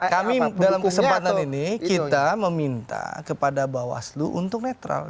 kami dalam kesempatan ini kita meminta kepada bawaslu untuk netral